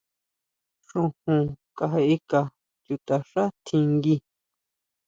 Xojón kajeʼeka chutaxá tjinguí.